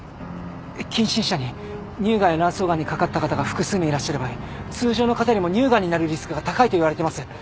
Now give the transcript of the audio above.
近親者に乳がんや卵巣がんにかかった方が複数名いらっしゃる場合通常の方よりも乳がんになるリスクが高いといわれてます。